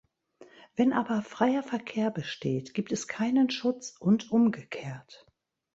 Wenn aber freier Verkehr besteht, gibt es keinen Schutz und umgekehrt.